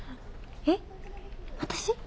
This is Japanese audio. えっ私？